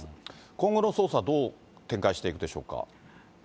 今後の捜査、どう展開していくでしょうか。